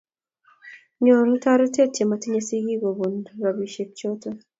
Nyoru toretet che matinye sikiik kobun ropisiek choto